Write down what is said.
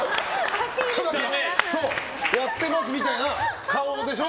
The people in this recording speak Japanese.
やってますみたいな顔でしょ？